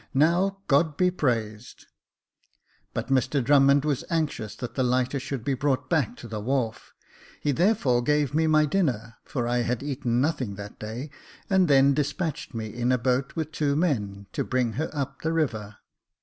Now, God be praised !" But Mr Drummond was anxious that the lighter should be brought back to the wharf; he therefore gave me my dinner, for I had eaten nothing that day, and then despatched me in a boat with two men, to bring her up the river.